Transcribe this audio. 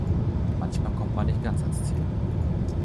Manchmal kommt man nicht ganz ans Ziel.